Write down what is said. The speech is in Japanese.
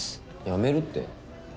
やめるって？